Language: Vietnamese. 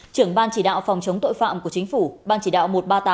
trưởng ban chỉ đạo phòng chống tội phạm của chính phủ ban chỉ đạo một trăm ba mươi tám